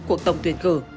cuộc tổng tuyển cử